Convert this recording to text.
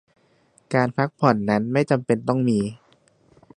การพักผ่อนนั้นไม่จำเป็นต้องมี